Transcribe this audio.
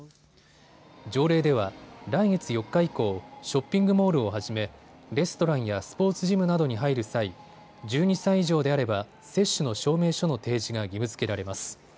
条例では来月４日以降、ショッピングモールをはじめレストランやスポーツジムなどに入る際、１２歳以上であれば接種の証明書の提示が義務づけられます。